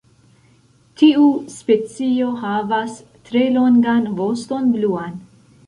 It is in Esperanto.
Tiu specio havas tre longan voston bluan.